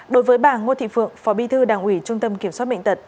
đối với bà ngô thị phượng phó bi thư đảng ủy trung tâm kiểm soát bệnh tật